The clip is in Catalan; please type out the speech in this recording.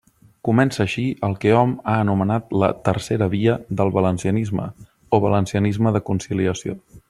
Comença així el que hom ha anomenat la «tercera via» del valencianisme o valencianisme de conciliació.